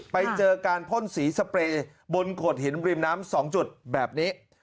ไปเจอการพ่นสีสเปรย์บนโขดหินริมน้ำ๒จุดแบบนี้